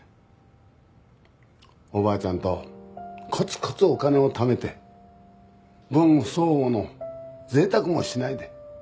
おばあちゃんとコツコツお金をためて分不相応の贅沢もしないで。